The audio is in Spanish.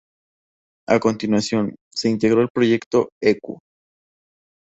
A continuación, se integró en el proyecto Equo.